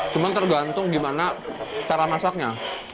cuma tergantung gimana cara masaknya